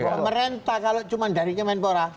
pemerintah kalau cuma dari kemenpora